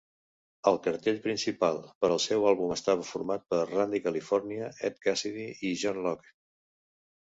El cartell principal per al seu àlbum estava format per Randy California, Ed Cassidy i John Locke.